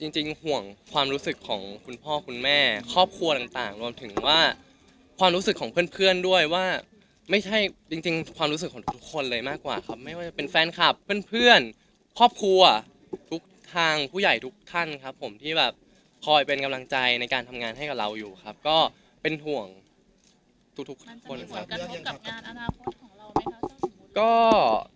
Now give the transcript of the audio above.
เรื่องกังวลมีคำตอบเรื่องกังวลมีคำตอบเรื่องกังวลมีคำตอบเรื่องกังวลมีคำตอบเรื่องกังวลมีคำตอบเรื่องกังวลมีคำตอบเรื่องกังวลมีคำตอบเรื่องกังวลมีคำตอบเรื่องกังวลมีคำตอบเรื่องกังวลมีคำตอบเรื่องกังวลมีคำตอบเรื่องกังวลมีคำตอบเรื่องกังวลมีคำตอบเรื่องกังวลมีคำต